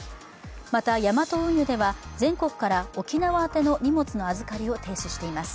またヤマト運輸では全国から沖縄宛の荷物の預かりを停止しています。